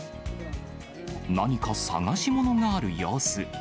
何か探し物がある様子。